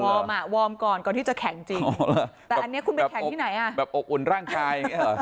อ่ะวอร์มก่อนก่อนที่จะแข่งจริงแต่อันนี้คุณไปแข่งที่ไหนอ่ะแบบอบอุ่นร่างกายอย่างนี้หรอ